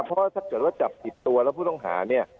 เพราะว่าถ้าเกิดว่าจับผิดตัวแล้วผู้ต้องหาเนี่ย